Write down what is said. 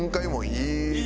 いい！